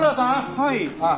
はい。